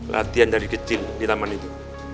latihan dari kecil di taman itu